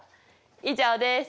以上です。